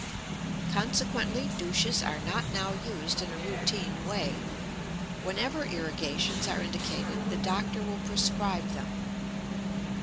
Consequently douches are not now used in a routine way. Whenever irrigations are indicated the doctor will prescribe them.